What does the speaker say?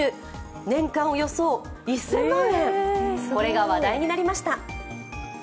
年間およそ１０００万円、これが話題になりました。